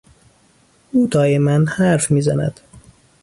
او دایما حرف میزند.